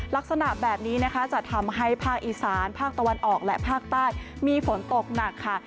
ลักษณะแบบนี้นะคะจะทำให้ภาคอีสานภาคตะวันออกและภาคใต้มีฝนตกหนักค่ะ